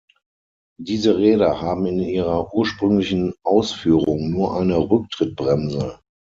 Diese Räder haben in ihrer ursprünglichen Ausführung nur eine Rücktrittbremse.